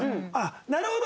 なるほど。